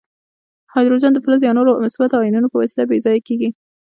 هایدروجن د فلز یا نورو مثبتو آیونونو په وسیله بې ځایه کیږي.